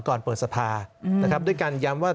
ก่อนเปิดทรภาพด้วยการย้ำว่า